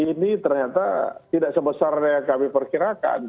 ini ternyata tidak sebesar yang kami perkirakan